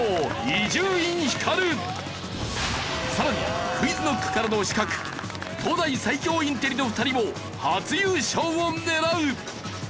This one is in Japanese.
さらにＱｕｉｚＫｎｏｃｋからの刺客東大最強インテリの２人も初優勝を狙う！